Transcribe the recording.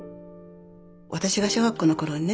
私が小学校の頃にね